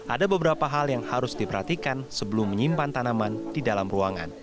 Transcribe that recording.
ada beberapa hal yang harus diperhatikan sebelum menyimpan tanaman di dalam ruangan